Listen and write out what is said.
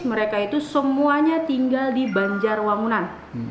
mereka itu semuanya tinggal di banjarwangunan